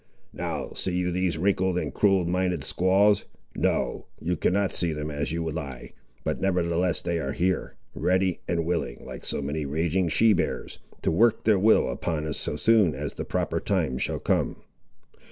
Now see you these wrinkled and cruel minded squaws—No, you cannot see them as you lie, but nevertheless they are here, ready and willing, like so many raging she bears, to work their will upon us so soon as the proper time shall come."